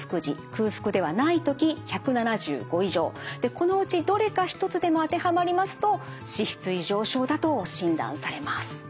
このうちどれか一つでも当てはまりますと脂質異常症だと診断されます。